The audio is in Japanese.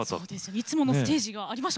いつものステージがありました